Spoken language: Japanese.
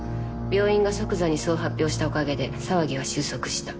病院が即座にそう発表したおかげで騒ぎは収束した。